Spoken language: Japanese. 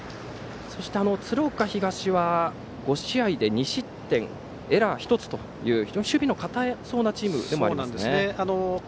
そして、鶴岡東は５試合で２失点エラー１つという非常に守備の堅いチームでもありますね。